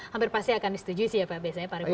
hampir pasti akan disetujui sih ya pak biasanya